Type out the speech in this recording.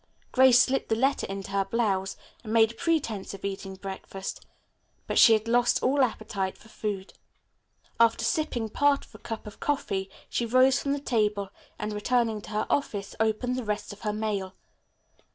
Grace slipped the letter into her blouse and made a pretense of eating breakfast. But she had lost all appetite for food. After sipping part of a cup of coffee she rose from the table and, returning to her office, opened the rest of her mail.